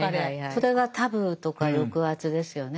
それがタブーとか抑圧ですよね。